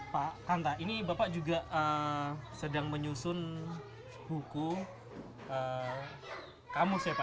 pak kanta ini bapak juga sedang menunjukkan bahasa isyarat kolok di desa bengkala